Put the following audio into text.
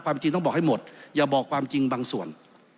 จริงต้องบอกให้หมดอย่าบอกความจริงบางส่วน